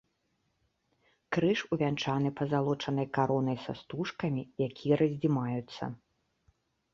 Крыж увянчаны пазалочанай каронай са стужкамі, якія раздзімаюцца.